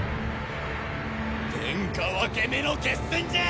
天下分け目の決戦じゃ！